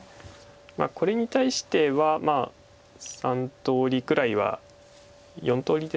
これに対しては３通りくらいは４通りですか。